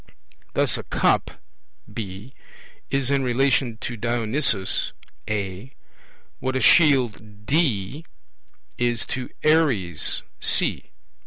Thus a cup (B) is in relation to Dionysus (A) what a shield (D) is to Ares (C).